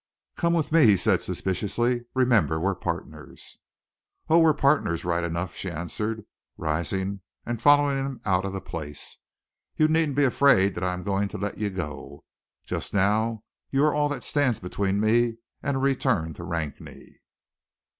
"Come with me," he said suspiciously. "Remember, we're partners." "Oh! we are partners right enough," she answered, rising and following him out of the place. "You needn't be afraid that I am going to let you go. Just now you are all that stands between me and a return to Rakney."